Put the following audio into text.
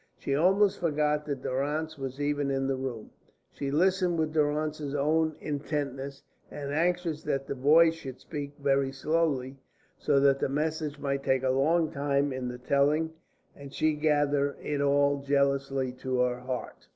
She almost forgot that Durrance was even in the room. She listened with Durrance's own intentness, and anxious that the voice should speak very slowly, so that the message might take a long time in the telling, and she gather it all jealously to her heart.